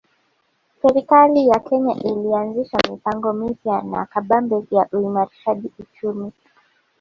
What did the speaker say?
Serikali ya Kenya ilianzisha mipango mipya na kabambe ya uimarishaji uchumi